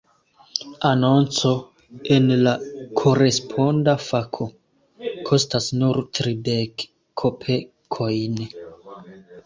Anonco en la "Koresponda Fako" kostas nur tridek kopekojn.